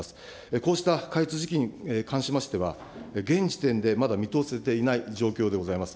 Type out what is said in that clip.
こうした開通時期に関しましては、現時点でまだ見通せていない状況でございます。